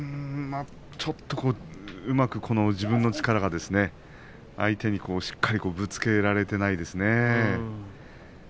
ちょっとうまく自分の力が相手にしっかりとぶつけられていないですね。